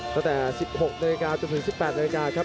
ตั้งแต่๑๖นาฬิกาจนถึง๑๘นาฬิกาครับ